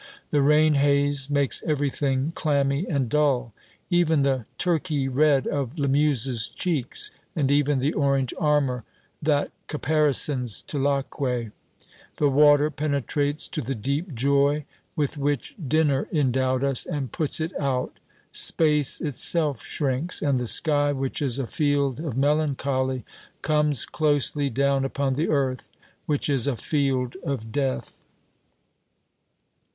The rain haze makes everything clammy and dull even the Turkey red of Lamuse's cheeks, and even the orange armor that caparisons Tulacque. The water penetrates to the deep joy with which dinner endowed us, and puts it out. Space itself shrinks; and the sky, which is a field of melancholy, comes closely down upon the earth, which is a field of death.